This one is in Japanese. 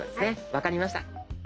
分かりました。